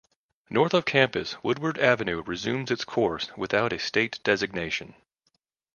North of campus, Woodward Avenue resumes its course without a state designation.